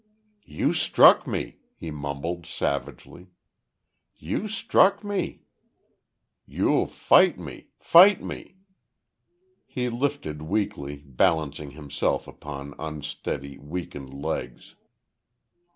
"You struck me!" he mumbled, savagely. "You struck me. You'll fight me fight me!" He lifted weakly, balancing himself upon unsteady, weakened legs.